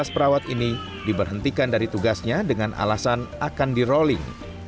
lima belas perawat ini diberhentikan dari tugasnya dengan alasan akan di rolling